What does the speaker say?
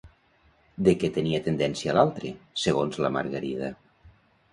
De què tenia tendència l'altre, segons la Margarida?